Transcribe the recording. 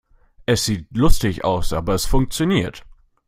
Es sieht lustig aus, aber es funktioniert.